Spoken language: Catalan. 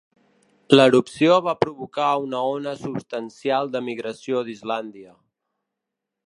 L'erupció va provocar una ona substancial d'emigració d'Islàndia.